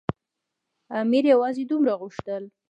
امیر یوازې دومره غوښتل.